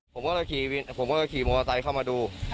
ผมก็เลยขี่มวลไตรเข้ามาดู